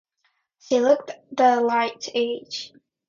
She looked the right age.